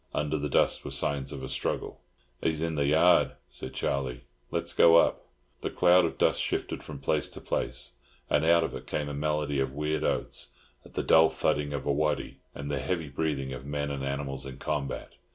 Under the dust were signs of a struggle. "He's in the yard," said Charlie. "Let's go up." The cloud of dust shifted from place to place, and out of it came a medley of weird oaths, the dull thudding of a waddy, and the heavy breathing of men and animals in combat.